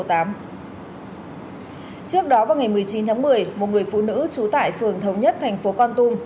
trước đó vào ngày một mươi chín tháng một mươi một người phụ nữ trú tại phường thống nhất thành phố con tum